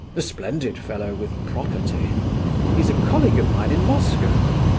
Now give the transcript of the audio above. "A splendid fellow, with property. He's a colleague of mine in Moscow.